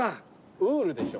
ウールでしょ。